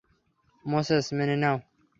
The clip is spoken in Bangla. মোসেস, মেনে নাও।